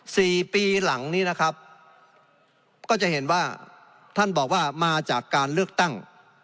สี่ปีหลังนี้นะครับก็จะเห็นว่าท่านบอกว่ามาจากการเลือกตั้ง